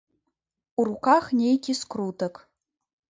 У руках нейкі скрутак.